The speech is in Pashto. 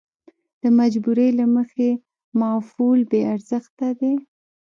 د مجبورۍ له مخې معافول بې ارزښته دي.